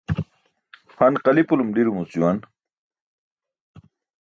Han qali̇pulum ḍiromuc juwan.